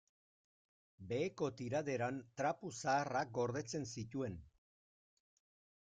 Beheko tiraderan trapu zaharrak gordetzen zituen.